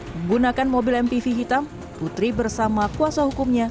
menggunakan mobil mpv hitam putri bersama kuasa hukumnya